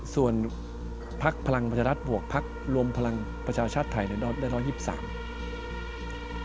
ส่วนพลักษณ์พลังปัชรัฐบวกพลักษณ์รวมพลังปัชรชาติไทยเนี่ยได้๑๒๓